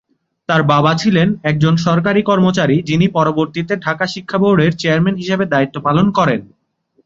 তার বাবা ছিলেন একজন সরকারি কর্মচারী, যিনি পরবর্তীতে ঢাকা শিক্ষা বোর্ডের চেয়ারম্যান হিসেবে দায়িত্ব পালন করেন।